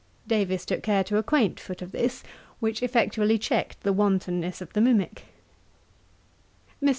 Davies took care to acquaint Foote of this, which effectually checked the wantonness of the mimick. Mr.